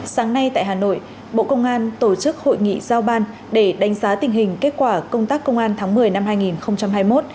sáng nay tại hà nội bộ công an tổ chức hội nghị giao ban để đánh giá tình hình kết quả công tác công an tháng một mươi năm hai nghìn hai mươi một